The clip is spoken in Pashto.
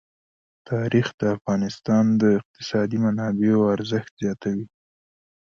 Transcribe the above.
تاریخ د افغانستان د اقتصادي منابعو ارزښت زیاتوي.